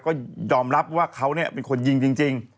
ก็ยอมรับว่าเขาเป็นคนยิงจริง